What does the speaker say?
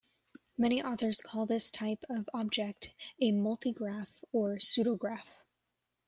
Many authors call this type of object a multigraph or pseudograph.